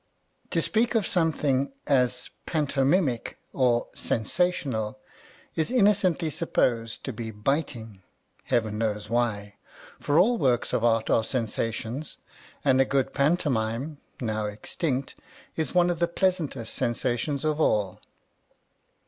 To speak of something as "pantomimic" or "sensational" is inno cently supposed to be biting, heaven knows why, for all works of art are sensa tions, and a good pantomime (now extinct) is one of the pleasantest sensations of all.